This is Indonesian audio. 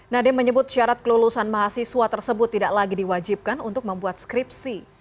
nadiem menyebut syarat kelulusan mahasiswa tersebut tidak lagi diwajibkan untuk membuat skripsi